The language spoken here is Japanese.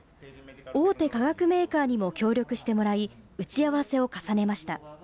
大手化学メーカーにも協力してもらい、打ち合わせを重ねました。